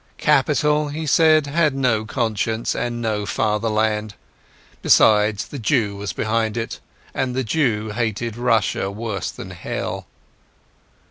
Capital, he said, had no conscience and no fatherland. Besides, the Jew was behind it, and the Jew hated Russia worse than hell.